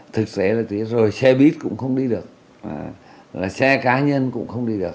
thực xế là thế rồi xe bít cũng không đi được rồi xe cá nhân cũng không đi được